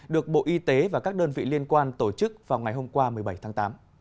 được bộ y tế và các đơn vị liên quan tổ chức vào ngày hôm qua một mươi bảy tháng tám